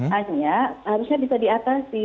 hanya harusnya bisa diatasi